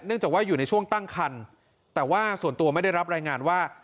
จากว่าอยู่ในช่วงตั้งคันแต่ว่าส่วนตัวไม่ได้รับรายงานว่า